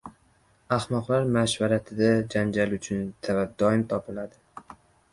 • Ahmoqlar mashvaratida janjal uchun sabab doim topiladi.